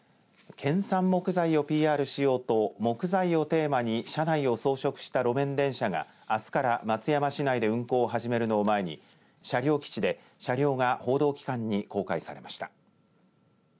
県産木材をＰＲしようと木材をテーマに車内を装飾した路面電車があすから松山市内で運行を始めるのを前に車両基地で車両が報道機関に公開されました。